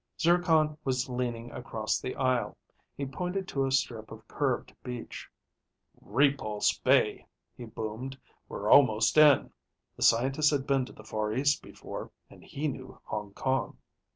Zircon was leaning across the aisle. He pointed to a strip of curved beach. "Repulse Bay," he boomed. "We're almost in." The scientist had been to the Far East before, and he knew Hong Kong.